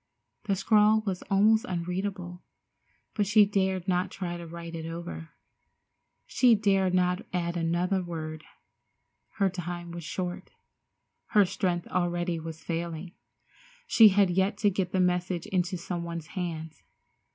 The scrawl was almost unreadable, but she dared not try to write it over. She dared not add another word. Her time was short. Her strength already was failing. She had yet to get the message into some one's hands.